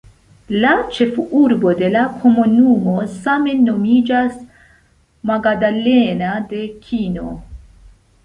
La ĉefurbo de la komunumo same nomiĝas "Magdalena de Kino".